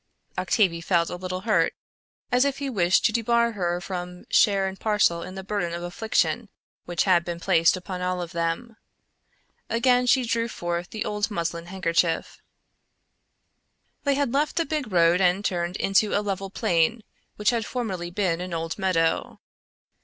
Octavie felt a little hurt; as if he wished to debar her from share and parcel in the burden of affliction which had been placed upon all of them. Again she drew forth the old muslin handkerchief. They had left the big road and turned into a level plain which had formerly been an old meadow.